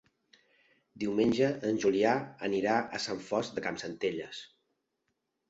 Diumenge en Julià anirà a Sant Fost de Campsentelles.